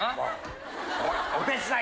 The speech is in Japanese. お手伝い。